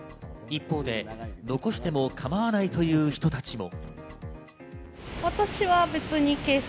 一方で残しても構わないという人たちも。